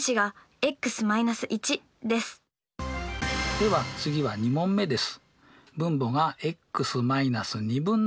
では次は２問目です。